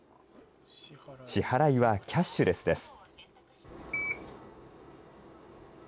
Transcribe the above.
支払いはキャッシュレスです。